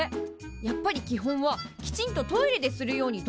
やっぱり基本はきちんとトイレでするように努力すること。